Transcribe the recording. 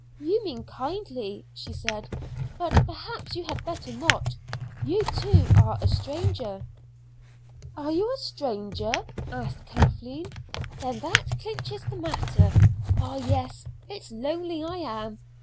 "You mean kindly," she said, "but perhaps you had better not. You, too, are a stranger." "Are you a stranger?" asked Kathleen. "Then that clinches the matter. Ah, yes; it's lonely I am.